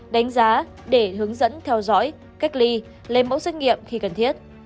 đánh giá để hướng dẫn theo dõi cách ly lấy mẫu xét nghiệm khi cần thiết